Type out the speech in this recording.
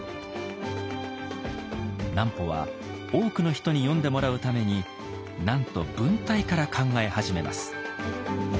南畝は多くの人に読んでもらうためになんと文体から考え始めます。